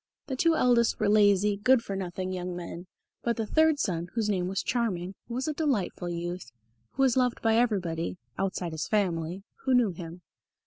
The two eldest were lazy good for nothing young men, but the third son, whose name was Charming, was a delightful youth, who was loved by everybody (outside his family) who knew him.